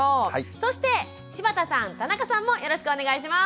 そして柴田さん田中さんもよろしくお願いします。